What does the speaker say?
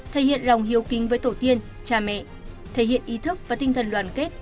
thể hiện lòng hiếu kính với tổ tiên cha mẹ thể hiện ý thức và tinh thần đoàn kết